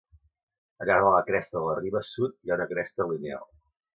Al llarg de la cresta de la riba sud hi ha una cresta lineal.